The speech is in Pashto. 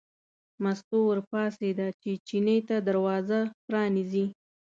مستو ور پاڅېده چې چیني ته دروازه پرانیزي.